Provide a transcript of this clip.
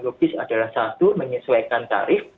logis adalah satu menyesuaikan tarif